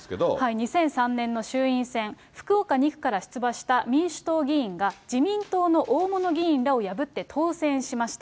２００３年の衆院選、福岡２区から出馬した民主党議員が自民党の大物議員らを破って当選しました。